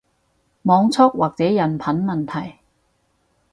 網速或者人品問題